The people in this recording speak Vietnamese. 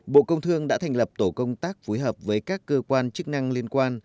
bộ công thương đã thành lập tổ công tác phối hợp với các cơ quan chức năng liên quan